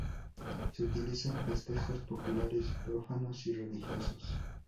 Se utiliza en festejos populares, profanos y religiosos.